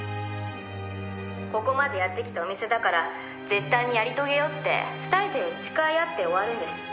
「ここまでやってきたお店だから絶対にやり遂げようって２人で誓い合って終わるんです」